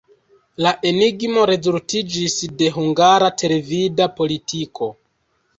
La enigmo rezultiĝis de hungara televida politiko.